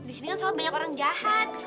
disini kan sangat banyak orang jahat